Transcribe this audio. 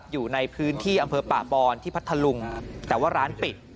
อยู่ในพื้นที่อำเภอป่าบอนที่พัทธลุงแต่ว่าร้านปิด